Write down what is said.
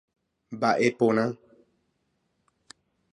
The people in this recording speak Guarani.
Mba'e porã.